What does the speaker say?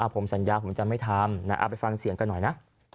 ผมสัญญาผมจะไม่ทำเอาไปฟังเสียงกันหน่อยนะ